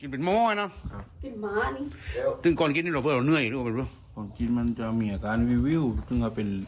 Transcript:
ไปลักษณะข้างหมอบ้านก็ไม่ได้พ้น